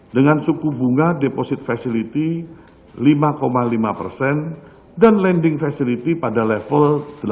dengan suku bunga deposit facility lima lima persen dan lending facility pada level delapan